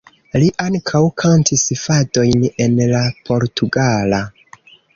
Li ankaŭ kantis fadojn en la portugala.